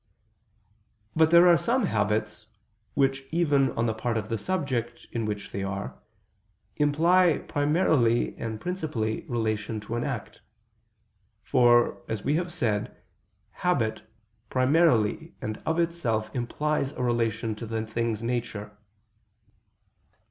But there are some habits, which even on the part of the subject in which they are, imply primarily and principally relation to an act. For, as we have said, habit primarily and of itself implies a relation to the thing's nature.